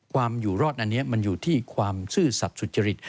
อยู่รอดอันนี้มันอยู่ที่ความซื่อสัตว์สุจริต